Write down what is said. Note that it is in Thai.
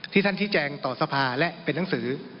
ท่านชี้แจงต่อสภาและเป็นหนังสือ